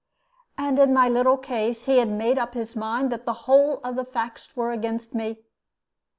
And in my little case he had made up his mind that the whole of the facts were against me.